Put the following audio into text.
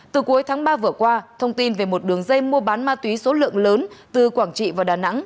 từ cuối tháng ba vừa qua thông tin về một đường dây mua bán ma túy số lượng lớn từ quảng trị vào đà nẵng